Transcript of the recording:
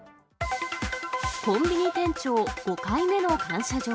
コンビニ店長、５回目の感謝状。